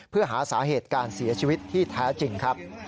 เพื่อหาสาเหตุการเสียชีวิตที่แท้จริงครับ